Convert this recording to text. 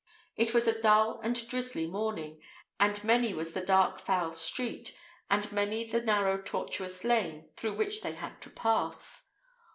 It was a dull and drizzly morning, and many was the dark foul street, and many the narrow tortuous lane, through which they had to pass.